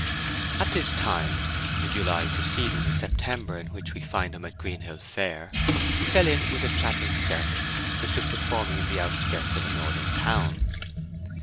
At this time—the July preceding the September in which we find at Greenhill Fair—he fell in with a travelling circus which was performing in the outskirts of a northern town.